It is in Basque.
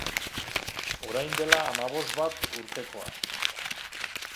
Orain dela hamabost bat urtekoa.